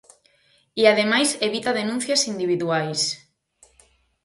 E ademais evita denuncias individuais.